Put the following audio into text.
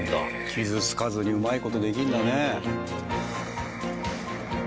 傷つかずにうまい事できるんだね。